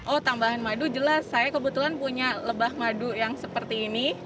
oh tambahan madu jelas saya kebetulan punya lebah madu yang seperti ini